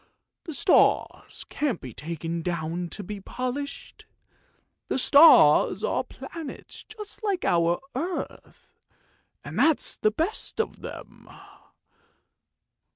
The stars can't be taken down to be polished ! The stars are planets just like our own earth, and that's the best of them!"